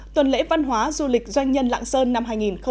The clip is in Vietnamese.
tuần lễ văn hóa du lịch doanh nhân lạng sơn năm hai nghìn một mươi chín